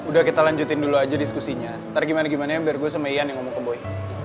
udah kita lanjutin dulu aja diskusinya ntar gimana gimana biar gue sama ian yang ngomong ke boy